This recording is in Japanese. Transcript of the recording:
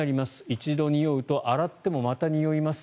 一度におうと洗ってもまたにおいます。